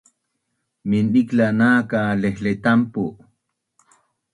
Mindikla’ nak ka laihletampu